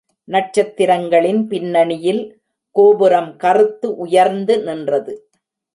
நட்சத்திரங்களின் பின்னணியில் கோபுரம் கறுத்து உயர்ந்து நின்றது.